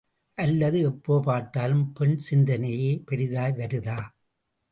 அல்லது எப்போ பார்த்தாலும் பெண் சிந்தனையே பெரிதாய் வருதா.